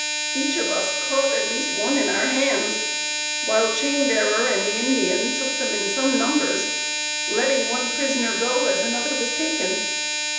Each of us caught one at least in our hands, while Chainbearer and the Indian took them in some numbers, letting one prisoner go as another was taken.